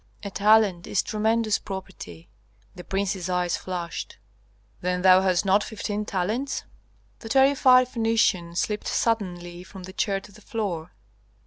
A talent is tremendous property " The prince's eyes flashed, "Then thou hast not fifteen talents?" The terrified Phœnician slipped suddenly from the chair to the floor.